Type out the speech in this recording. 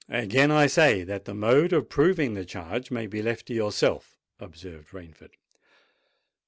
"Again I say that the mode of proving the charge may be left to yourself," observed Rainford.